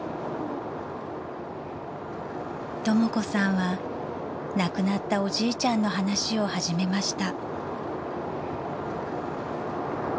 ［とも子さんは亡くなったおじいちゃんの話を始めました］